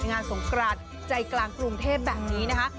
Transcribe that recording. งานสงกรานใจกลางกรุงเทพแบบนี้นะคะ